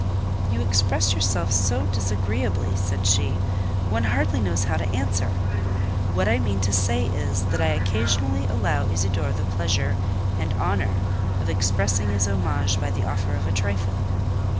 "You express yourself so disagreeably," said she, "one hardly knows how to answer; what I mean to say is, that I occasionally allow Isidore the pleasure and honour of expressing his homage by the offer of a trifle."